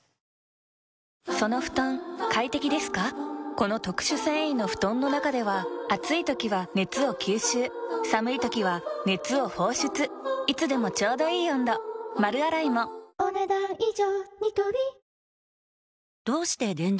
この特殊繊維の布団の中では暑い時は熱を吸収寒い時は熱を放出いつでもちょうどいい温度丸洗いもお、ねだん以上。